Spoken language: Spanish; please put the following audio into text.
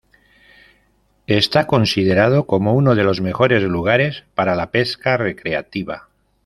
Está considerado como uno de los mejores lugares para la pesca recreativa.